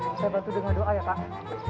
saya bantu dengan doa ya pak